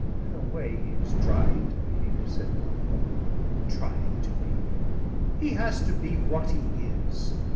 "In a way, he's trying to be," said Melville. "Trying to be! He has to be what he is.